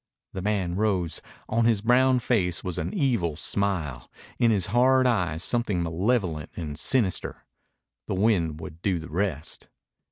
The man rose. On his brown face was an evil smile, in his hard eyes something malevolent and sinister. The wind would do the rest.